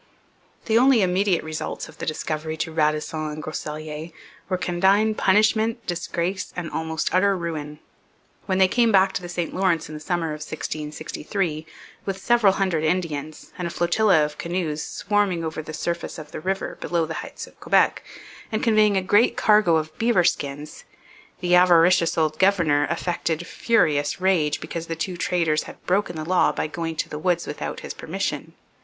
The only immediate results of the discovery to Radisson and Groseilliers were condign punishment, disgrace, and almost utter ruin. When they came back to the St Lawrence in the summer of 1663 with several hundred Indians and a flotilla of canoes swarming over the surface of the river below the heights of Quebec, and conveying a great cargo of beaver skins, the avaricious old governor affected furious rage because the two traders had broken the law by going to the woods without his permission.